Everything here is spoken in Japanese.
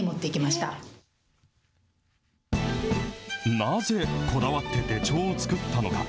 なぜ、こだわって手帳を作ったのか。